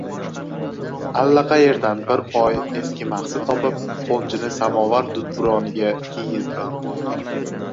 Allaqayerdan bir poy eski mahsi topib, qo‘njini samovar dudburoniga kiygizadi.